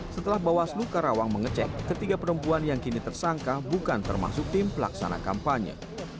setelah bawaslu karawang mengecek ketiga perempuan yang kini tersangka bukan termasuk tim pelaksana kampanye